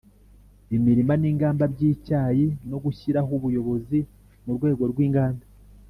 imirima n'inganda by'icyayi no gushyiraho ubuyobozi mu rwego rw'inganda